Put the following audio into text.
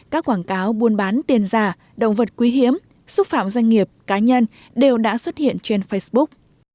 các quảng cáo buôn bán tiền giả động vật quý hiếm xúc phạm doanh nghiệp cá nhân đều đã xuất hiện trên facebook